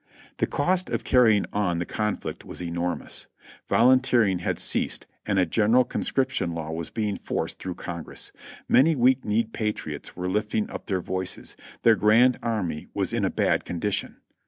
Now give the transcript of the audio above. The cost of carrying on the con flict was enormous. Volunteering had ceased and a general con scription law was being forced through Congress ; many weak kneed patriots were lifting up their voices ; their grand army was in a bad condition.